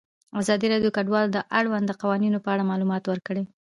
ازادي راډیو د کډوال د اړونده قوانینو په اړه معلومات ورکړي.